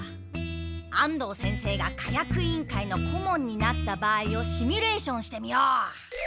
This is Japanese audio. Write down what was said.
安藤先生が火薬委員会の顧問になった場合をシミュレーションしてみよう。